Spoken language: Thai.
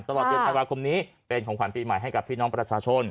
ตลอดเดือนธันวาคมนี้เป็นของขวัญปีใหม่ให้กับพี่น้องประชาชน